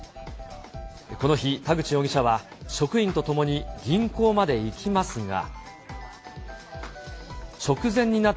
この日、田口容疑者は職員と共に銀行まで行きますが。